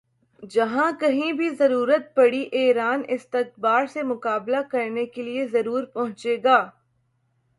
جہاں کہیں بھی ضرورت پڑی ایران استکبار سے مقابلہ کرنے کے لئے ضرور پہنچے گا